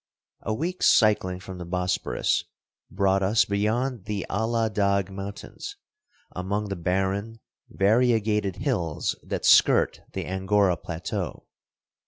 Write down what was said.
A week's cycling from the Bosporus brought us beyond the Allah Dagh mountains, among the barren, variegated hills that skirt the Angora plateau.